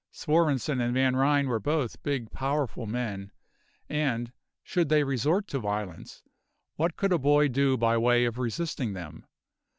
Svorenssen and Van Ryn were both big powerful men, and, should they resort to violence, what could a boy do by way of resisting them?